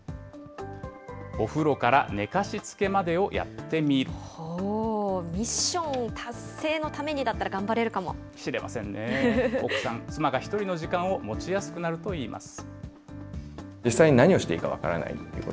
お風呂から寝かしつけまでをやっほう、ミッション達成のためしれませんね、奥さん、妻が１人の時間を持ちやすくなるといいます。